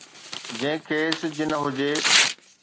جنهن کي سج نه هجي